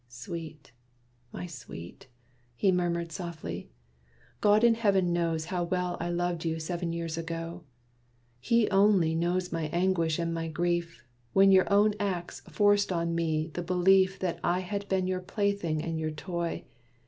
"Sweet, my sweet!" He murmured softly, "God in Heaven knows How well I loved you seven years ago. He only knows my anguish, and my grief, When your own acts forced on me the belief That I had been your plaything and your toy.